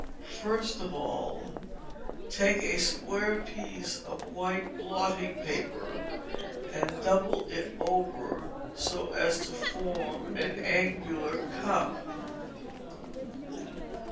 First of all take a square piece of white blotting paper, and double it over so as to form an angular cup.